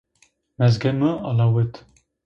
Mezgê mı alawıt